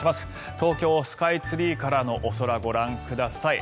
東京スカイツリーからのお空ご覧ください。